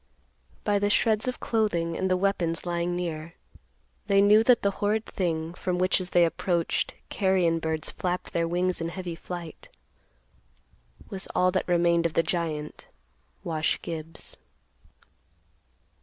By the shreds of clothing and the weapons lying near, they knew that the horrid thing, from which as they approached, carrion birds flapped their wings in heavy flight, was all that remained of the giant, Wash Gibbs.